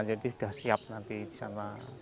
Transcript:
jadi sudah siap nanti disana